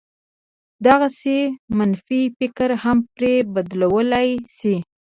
دغسې منفي فکر هم پرې بدلولای شي.